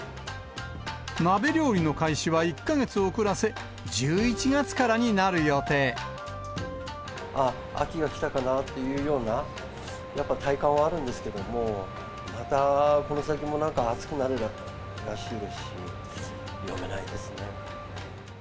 鍋料理の開始は１か月遅らせ、あっ、秋が来たかなというようなやっぱ体感はあるんですけども、またこの先もなんか暑くなるらしいですし、読めないですね。